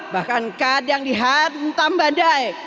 bahkan kadang dihantam badai